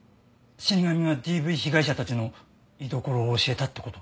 死神がＤＶ被害者たちの居所を教えたってこと。